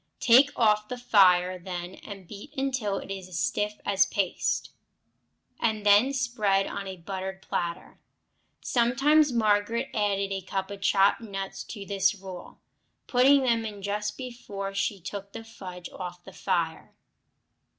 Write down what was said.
Take off the fire then, and beat until it is a stiff paste, and then spread on a buttered platter. Sometimes Margaret added a cup of chopped nuts to this rule, putting them in just before she took the fudge off the fire.